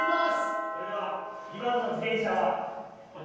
それでは２番の自転車はこちらです。